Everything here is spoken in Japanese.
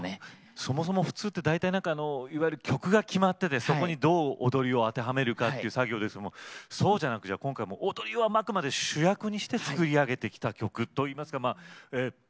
そもそも普通って大体なんかいわゆる曲が決まっててそこにどう踊りを当てはめるかっていう作業ですけどもそうじゃなくじゃあ今回はもう踊りはあくまで主役にして作り上げてきた曲といいますかまあパフォーマンスなんですね。